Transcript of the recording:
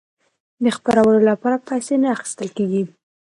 د خپرولو لپاره پیسې نه اخیستل کیږي.